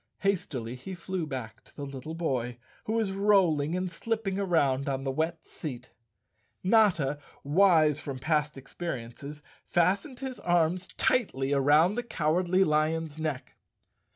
Hastily he flew back to the little boy, who was rolling and slipping around on the wet seat. Notta, wise from past experiences, fastened his arms tightly around the Cowardly Lion's neck.